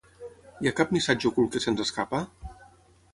Hi ha cap missatge ocult que se'ns escapa?